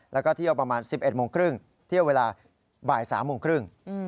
แล้วก็เที่ยวประมาณ๑๑โมงครึ่งเที่ยวเวลาบ่าย๓โมงครึ่ง